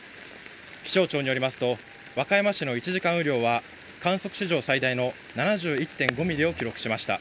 気象庁によりますと、和歌山市の１時間雨量は観測史上最大の７１．５ミリを記録しました。